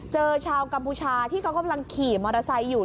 ชาวกัมพูชาที่เขากำลังขี่มอเตอร์ไซค์อยู่